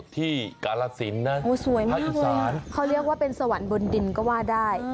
กาลสินนะภาคอีสานเขาเรียกว่าเป็นสวรรค์บนดินก็ว่าได้